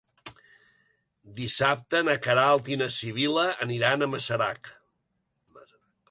Dissabte na Queralt i na Sibil·la aniran a Masarac.